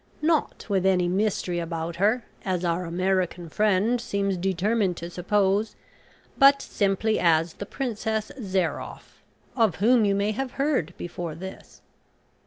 Not with any mystery about her, as our American friend seems determined to suppose, but simply as the Princess Zairoff of whom you may have heard before this."